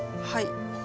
はい。